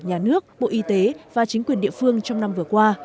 nhà nước bộ y tế và chính quyền địa phương trong năm vừa qua